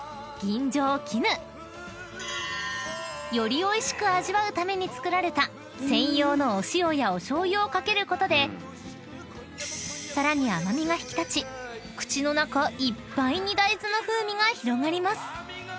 ［よりおいしく味わうために作られた専用のお塩やお醤油を掛けることでさらに甘味が引き立ち口の中いっぱいに大豆の風味が広がります］